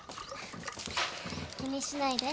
気にしないで。